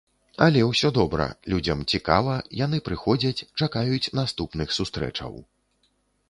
Але ўсё добра, людзям цікава, яны прыходзяць, чакаюць наступных сустрэчаў.